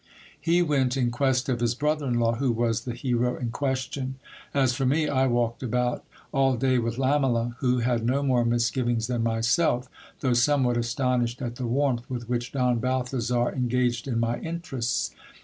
He went in quest of his brother in law, who was the hero in question. As for me, I walked about all day with Lamela, who had no more misgivings than myself, though somewhat astonished at the warmth with which Don Balthazar engaged in my interests.